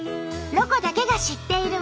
「ロコだけが知っている」。